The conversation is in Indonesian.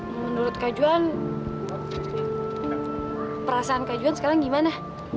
menurut kak juan perasaan kak juan sekarang gimana